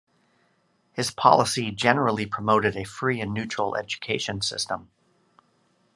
His policy generally promoted a free and neutral education system.